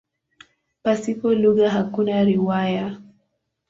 Pasipo lugha hakuna riwaya.